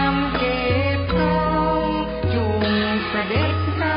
ทรงเป็นน้ำของเรา